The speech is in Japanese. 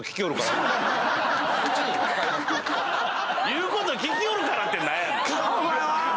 「言うこと聞きよるから」って何やねん⁉